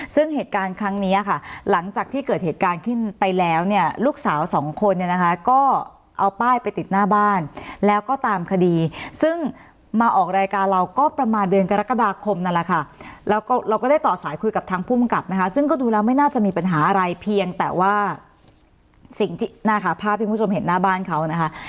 ซึ่งเหตุการณ์ครั้งนี้ค่ะหลังจากที่เกิดเหตุการณ์ขึ้นไปแล้วเนี่ยลูกสาวสองคนเนี่ยนะคะก็เอาป้ายไปติดหน้าบ้านแล้วก็ตามคดีซึ่งมาออกรายการเราก็ประมาณเดือนกรกฎาคมนั่นแหละค่ะ